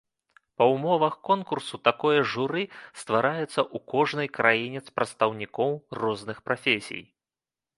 Па ўмовах конкурсу, такое журы ствараецца ў кожнай краіне з прадстаўнікоў розных прафесій.